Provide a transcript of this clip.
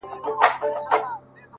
ستا دهر توري په لوستلو سره ـ